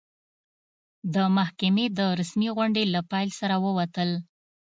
د محکمې د رسمي غونډې له پیل سره ووتل.